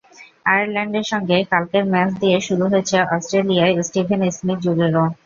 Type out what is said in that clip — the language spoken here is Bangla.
আয়ারল্যান্ডের সঙ্গে কালকের ম্যাচ দিয়ে শুরু হয়েছে অস্ট্রেলিয়ায় স্টিভেন স্মিথ যুগেরও।